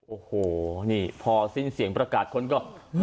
โอ้โหนี่พอสิ้นเสียงประกาศคนก็